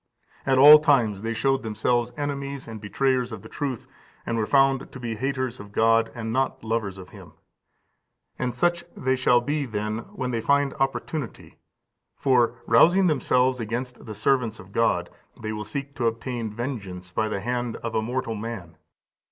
At all times they showed themselves enemies and betrayers of the truth, and were found to be haters of God, and not lovers of Him; and such they shall be then when they find opportunity: for, rousing themselves against the servants of God, they will seek to obtain vengeance by the hand of a mortal man.